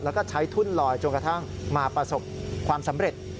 แล้วก็ใช้ทุ่นลอยจนกระทั่งมาประสบความสำเร็จ